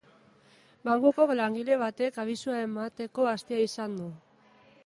Bankuko langile batek abisua emateko astia izan du.